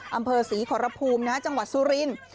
อำเภอศรีขอรภูมิจังหวัดสุรินทร์